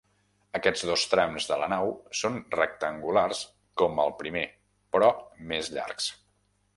Aquests dos trams de la nau són rectangulars com el primer però més llargs.